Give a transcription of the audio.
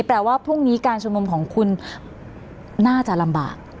แปลว่าพรุ่งนี้การชุมนุมของคุณน่าจะลำบาก